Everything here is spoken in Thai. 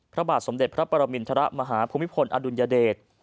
พระบาทสมเด็จพระปรมินทรมาฮภูมิพลอดุลยเดช